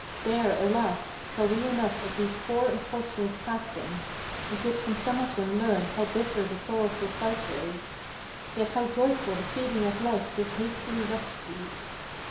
There, alas! saw we enough of these poor unfortunates passing, And could from some of them learn how bitter the sorrowful flight was, Yet how joyful the feeling of life thus hastily rescued.